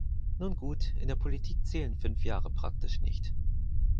Nun gut, in der Politik zählen fünf Jahre praktisch nicht.